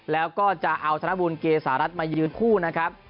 แล้วก็จะเอาธนบุญเกษารัฐมายืนคู่นะครับ